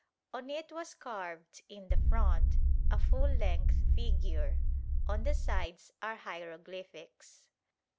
On it was carved, in the front, a full length figure; on the sides are hieroglyphics.